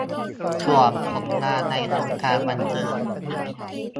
ส่วนผลงานในวงการบันเทิง